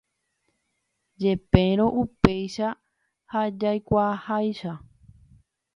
Jepérõ upéicha ha jaikuaaháicha.